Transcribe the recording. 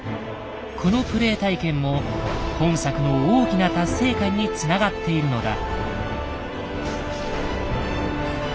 このプレイ体験も本作の大きな達成感につながっているのだ。